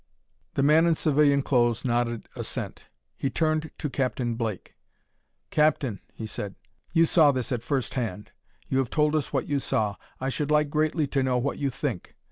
The man in civilian clothes nodded assent. He turned to Captain Blake. "Captain," he said, "you saw this at first hand. You have told us what you saw. I should like greatly to know what you think.